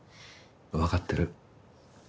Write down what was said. わかってる。